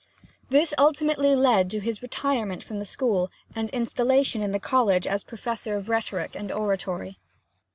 This ultimately led to his retirement from the school and installation in the college as Professor of rhetoric and oratory.